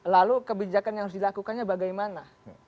lalu kebijakan yang harus dilakukannya bagaimana